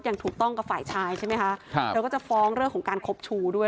อย่างถูกต้องกับฝ่ายชายใช่ไหมคะครับเธอก็จะฟ้องเรื่องของการคบชูด้วย